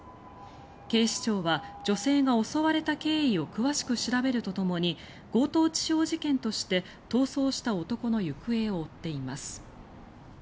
警視庁は女性が襲われた経緯を詳しく調べるとともに強盗致傷事件として逃走した男の行方を追っています。